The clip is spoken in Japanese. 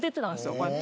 こうやって。